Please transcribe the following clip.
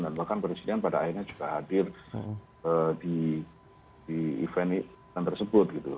dan bahkan presiden pada akhirnya juga hadir di event event tersebut gitu